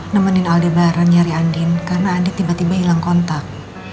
nemenin aldebaran nyari andien karena andien tiba tiba hilang kontak